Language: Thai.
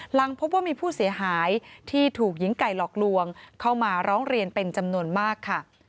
หลังพบว่ามีผู้เสียหายที่ถูกหญิงไก่หลอกลวงเข้ามาร้องเรียนเป็นจำนวนมากค่ะ